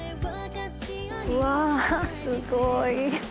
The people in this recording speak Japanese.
うわすごい。